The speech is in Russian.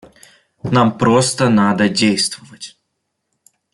Нам просто надо действовать.